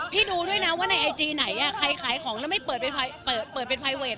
ดูด้วยนะว่าในไอจีไหนใครขายของแล้วไม่เปิดเป็นไพเวท